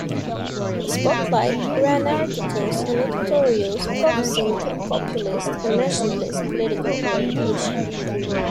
"The Spotlight" ran articles and editorials professing a "populist and nationalist" political orientation.